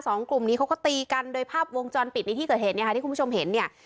สองกลุ่มนี้เขาก็ตีกันโดยภาพวงจรปิดในที่เกิดเหตุเนี่ยค่ะที่คุณผู้ชมเห็นเนี่ย